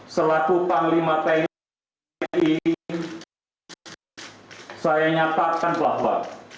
selaku panglima tni saya nyatakan bahwa